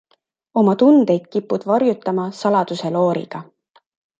Oma tundeid kipud varjutama saladuselooriga.